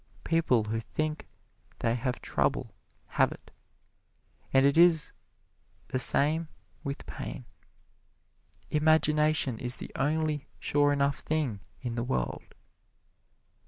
People who think they have trouble have it, and it is the same with pain. Imagination is the only sure enough thing in the world.